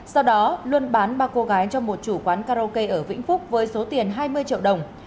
sau đó luân bán ba cô gái cho một chủ quán karaoke ở vĩnh phúc với số tiền hai mươi triệu đồng